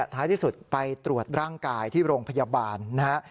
ท้ายที่สุดไปตรวจร่างกายที่โรงพยาบาลนะฮะ